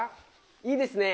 いいですね。